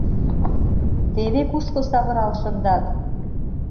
Теве кушко савырал шындат!